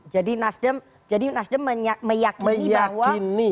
jadi nasdem meyakini bahwa